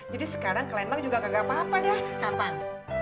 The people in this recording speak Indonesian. jadi sekarang ke lembang juga kagak apa apa dah kapan